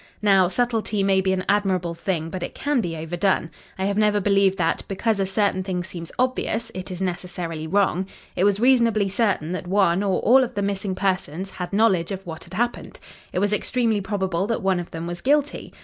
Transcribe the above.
"Now, subtlety may be an admirable thing, but it can be overdone. I have never believed that, because a certain thing seems obvious, it is necessarily wrong. It was reasonably certain that one, or all of the missing persons, had knowledge of what had happened. It was extremely probable that one of them was guilty.